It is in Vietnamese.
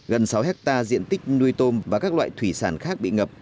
gần sáu hectare diện tích nuôi tôm và các loại thủy sản khác bị ngập